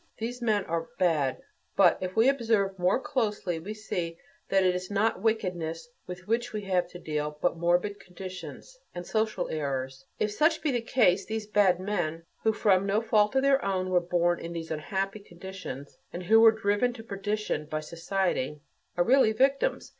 These men are "bad." But if we observe more closely we see that it is not wickedness with which we have to deal but morbid conditions and social errors. If such be the case, these bad men, who from no fault of their own were born in these unhappy conditions, and who are driven to perdition by society, are really "victims."